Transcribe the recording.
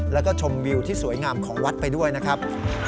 แล้วก็ชมวิวที่สวยงามของวัดไปด้วยนะครับ